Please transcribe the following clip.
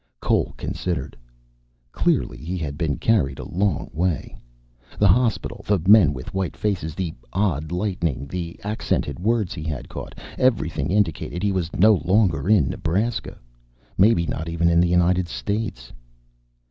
Cole considered. Clearly, he had been carried a long way. The hospital, the men with white faces, the odd lighting, the accented words he had caught everything indicated he was no longer in Nebraska maybe not even in the United States.